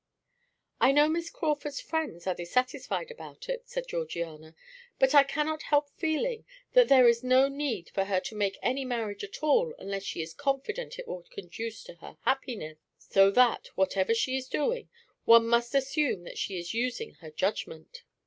"I know Miss Crawford's friends are dissatisfied about it," said Georgiana; "but I cannot help feeling that there is no need for her to make any marriage at all unless she is confident it will conduce to her happiness, so that, whatever she is doing, one must assume that she is using her judgment."